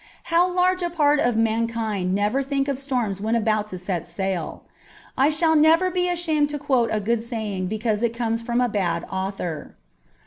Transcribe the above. How large a part of man kind never think of storms when about to set sail ? I shall never be ashamed to quote a good saying because it comes from a bad author.